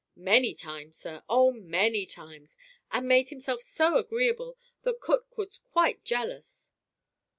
"Many times, sir oh! many times, and made himself so agreeable that cook was quite jealous."